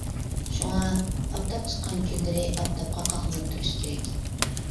شۇڭا، ئاپتاپ چىققان كۈنلىرى ئاپتاپقا قاقلىنىپ تۇرۇش كېرەك.